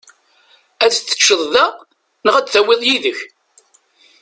Ad teččeḍ da neɣ ad tawiḍ yid-k?